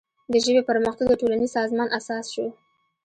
د ژبې پرمختګ د ټولنیز سازمان اساس شو.